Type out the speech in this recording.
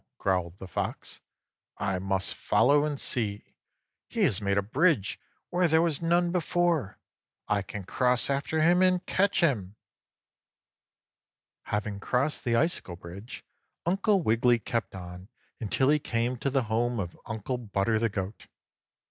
growled the Fox. "I must follow and see. He has made a bridge where there was none before. I can cross after him and catch him!" 4. Having crossed the icicle bridge, Uncle Wiggily kept on until he came to the home of Uncle Butter the goat.